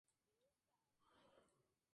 Falleció luego de un largo Parkinson.